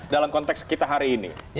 dalam konteks kita hari ini